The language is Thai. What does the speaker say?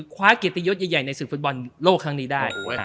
คว้าเกียรติยศใหญ่ในศึกฟุตบอลโลกครั้งนี้ได้